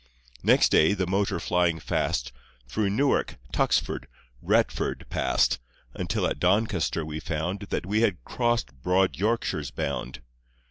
Next day, the motor flying fast, Through Newark, Tuxford, Retford passed, Until at Doncaster we found That we had crossed broad Yorkshire's bound.